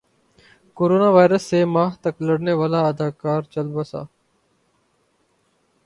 corona virus سے ماہ تک لڑنے والا اداکار چل بسا